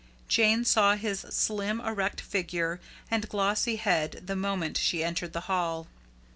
Jane saw his slim, erect figure and glossy head the moment she entered the hall.